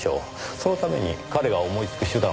そのために彼が思いつく手段はひとつ。